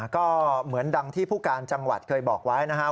ก็เหมือนดังที่ผู้การจังหวัดเคยบอกไว้นะครับ